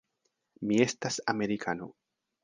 Mi estas amerikano.